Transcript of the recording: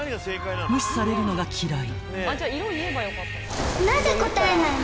［無視されるのが嫌い］